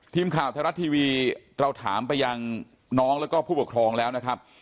ทีมข่าวไทยรัฐทีวีเราถามไปยังน้องแล้วก็ผู้ปกครองแล้วนะครับ